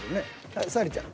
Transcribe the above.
はい沙莉ちゃん